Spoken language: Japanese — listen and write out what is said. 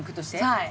はい。